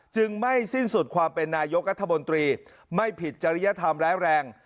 จึงไม่สิ้นสุดความเป็นนายกรัฐมนตรีไม่ผิดจริยธรรมร้ายแรง